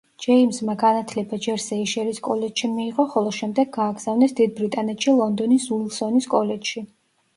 ჯეიმზმა განათლება ჯერ სეიშელის კოლეჯში მიიღო, ხოლო შემდეგ გააგზავნეს დიდ ბრიტანეთში ლონდონის უილსონის კოლეჯში.